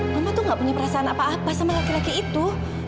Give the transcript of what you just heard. mama tuh gak punya perasaan apa apa sama laki laki itu